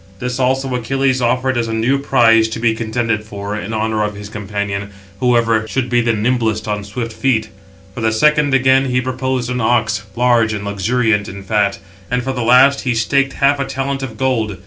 This also Achilles offered as a new prize, to be contended for, in honour of his companion, whoever should be the nimblest on swift feet; for the second, again, he proposed an ox, large and luxuriant in fat; and for the last he staked half a talent of gold.